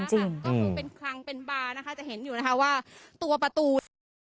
ก็คือเป็นคลังเป็นบาร์นะคะจะเห็นอยู่นะคะว่าตัวประตูเนี่ย